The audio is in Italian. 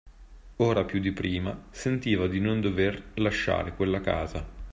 Ora più di prima sentiva di non dover lasciare quella casa.